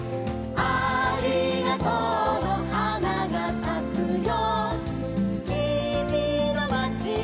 「ありがとうのはながさくよ」